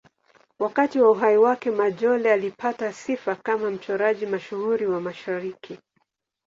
Wakati wa uhai wake, Majolle alipata sifa kama mchoraji mashuhuri wa Mashariki.